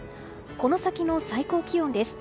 この先の最高気温です。